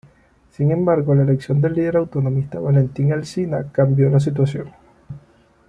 Sin embargo, la elección del líder autonomista Valentín Alsina cambio la situación.